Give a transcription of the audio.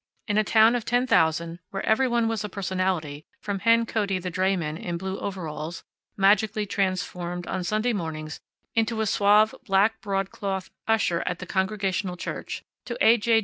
In a town of ten thousand, where every one was a personality, from Hen Cody, the drayman, in blue overalls (magically transformed on Sunday mornings into a suave black broadcloth usher at the Congregational Church), to A. J.